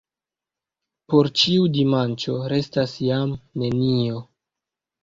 Por ĉiu dimanĉo restas jam nenio.